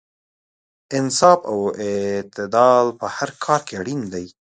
انصاف او اعتدال په هر کار کې اړین دی.